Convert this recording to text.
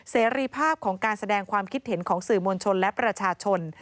เสรีภาพของการแสดงความคิดเห็นของสื่อมวลชนและประชาชน